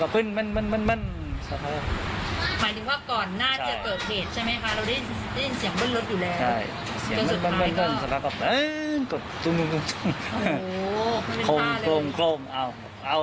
มาแข่งกันใช่ไหมเป็นประจำอยู่แล้วประจำครับกว่าทุกวันโอ้ได้ยินทุกวัน